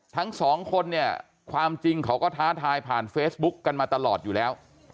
ทั้งสองคนเนี่ยความจริงเขาก็ท้าทายผ่านเฟซบุ๊กกันมาตลอดอยู่แล้ว